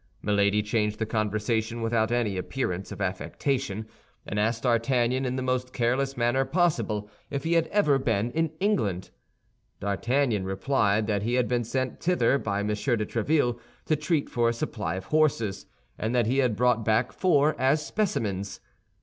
Milady changed the conversation without any appearance of affectation, and asked D'Artagnan in the most careless manner possible if he had ever been in England. D'Artagnan replied that he had been sent thither by M. de Tréville to treat for a supply of horses, and that he had brought back four as specimens.